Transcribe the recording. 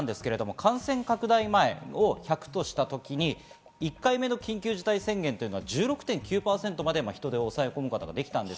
感染拡大前を１００としたときに、１回目の緊急事態宣言は１６．９％まで抑え込むことができました。